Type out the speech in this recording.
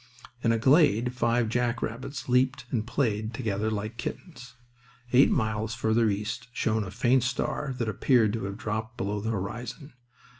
In a glade five jack rabbits leaped and played together like kittens. Eight miles farther east shone a faint star that appeared to have dropped below the horizon.